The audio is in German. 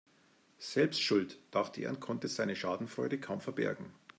Selbst schuld, dachte er und konnte seine Schadenfreude kaum verbergen.